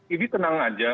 idi tenang aja